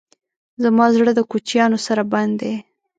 زما زړه د کوچیانو سره بند دی.